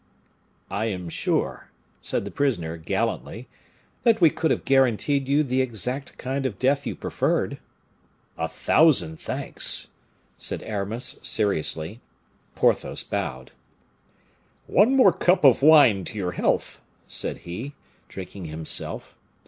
"I am sure," said the prisoner, gallantly, "that we could have guaranteed you the exact kind of death you preferred." "A thousand thanks!" said Aramis, seriously. Porthos bowed. "One more cup of wine to your health," said he, drinking himself.